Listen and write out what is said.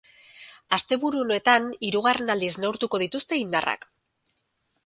Asteburu honetan hirugarren aldiz neurtuko dituzte indarrak.